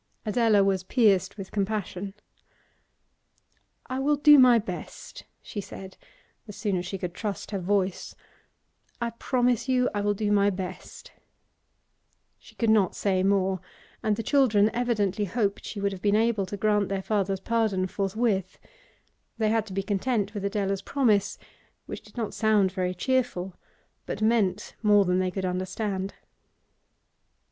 Adela was pierced with compassion. 'I will do my best,' she said, as soon as she could trust her voice. 'I promise you I will do my best.' She could not say more, and the children evidently hoped she would have been able to grant their father's pardon forthwith. They had to be content with Adela's promise, which did not sound very cheerful, but meant more than they could understand.